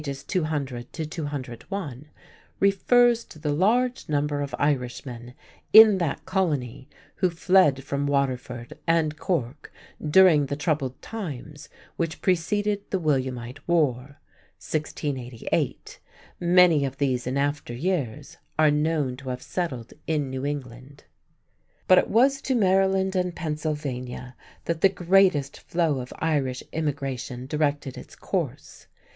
200 201), refers to "the large number of Irishmen" in that colony who fled from Waterford and Cork "during the troubled times" which preceded the Williamite war (1688). Many of these in after years are known to have settled in New England. But it was to Maryland and Pennsylvania that the greatest flow of Irish immigration directed its course.